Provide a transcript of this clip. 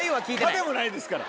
「蚊」でもないですから。